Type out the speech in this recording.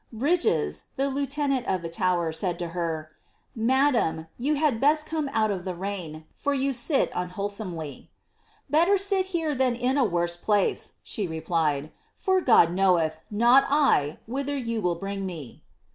Bridges, the lieutenant of the Tower, said to her, '^ Madam, you had best come out of the rain, for you sit unwhole somely." ^* Better sit here than in a worse place," she replied, ^ for God knoweth, not I, whither you will bring me."'